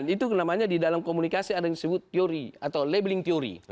itu namanya di dalam komunikasi ada yang disebut teori atau labeling teori